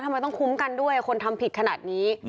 ทำไมต้องคุ้มกันด้วยคนทำผิดขนาดนี้